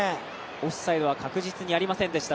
オフサイドは確実にありませんでした。